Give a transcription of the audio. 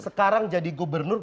sekarang jadi gubernur